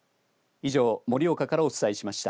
以上、盛岡からお伝えしました。